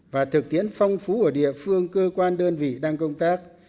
và thực tiễn phong phú ở địa phương cơ quan đơn vị đang công tác